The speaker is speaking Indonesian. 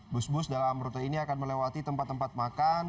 bus bus dalam rute ini akan melewati tempat tempat makan